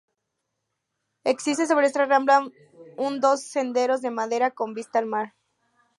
Existe sobre esta rambla un dos senderos de madera con vista al mar.